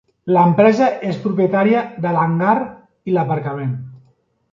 L'empresa és propietària de l'hangar i l'aparcament.